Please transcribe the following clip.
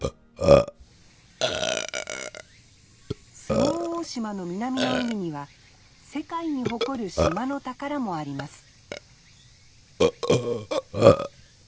周防大島の南の海には世界に誇る島の宝もあります